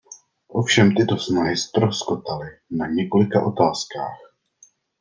Ovšem tyto snahy ztroskotaly na několika otázkách.